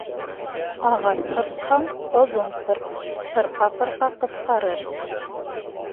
Ағас ҡырҡһаң оҙон ҡырҡ: ҡырҡа-ҡырҡа ҡыҫҡарыр